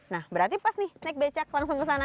nah berarti pas nih naik becak langsung ke sana